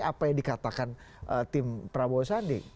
apa yang dikatakan tim prabowo sandi